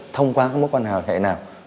thông qua cái mối quan hệ nào